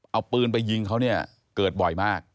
เอาปืนไปยิงเขาเนี่ยเกิดบ่อยมาก